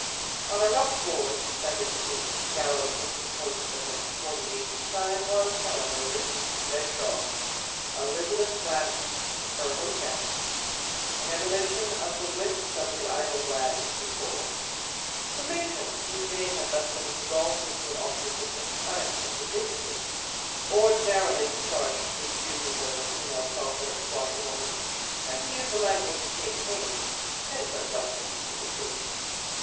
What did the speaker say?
On a rough board suspended from the gallows looking post that had supported the ancient sign, was, however, written in red chalk, "Elizabeth Flanagan, her hotel," an ebullition of the wit of some of the idle wags of the corps. The matron, whose name had thus been exalted to an office of such unexpected dignity, ordinarily discharged the duties of a female sutler, washerwoman, and, to use the language of Katy Haynes, petticoat doctor to the troops.